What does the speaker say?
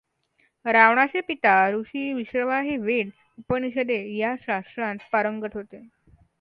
रावणाचे पिता ऋषी विश्रवा हे वेद, उपनिषदे ह्या शास्त्रांत पारंगत होते.